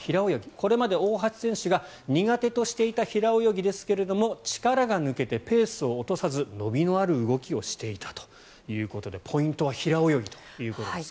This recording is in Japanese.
これまで大橋選手が苦手としていた平泳ぎですが力が抜けてペースを落とさず伸びのある動きをしていたということでポイントは平泳ぎということです。